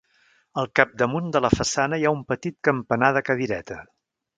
Al capdamunt de la façana hi ha un petit campanar de cadireta.